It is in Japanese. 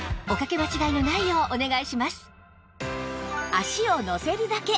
足をのせるだけ！